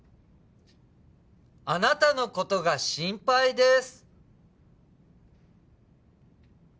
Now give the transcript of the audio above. あなたのことが心配です